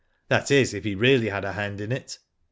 That is if he really had a hand in it."